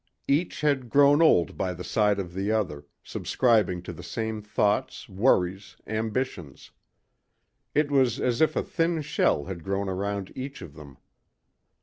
Each had grown old by the side of the other, subscribing to the same thoughts, worries, ambitions. It was as if a thin shell had grown around each of them.